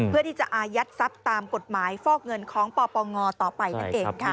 เพื่อที่จะอายัดทรัพย์ตามกฎหมายฟอกเงินของปปงต่อไปนั่นเองค่ะ